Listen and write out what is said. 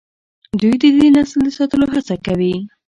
دوی د دې نسل د ساتلو هڅه کوي.